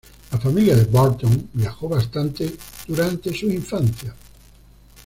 La familia de Burton viajó bastante durante su infancia.